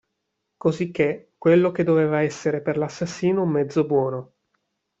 Cosicché quello che doveva essere per l'assassino un mezzo buono.